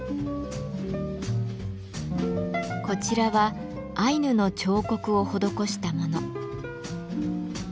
こちらはアイヌの彫刻を施したもの。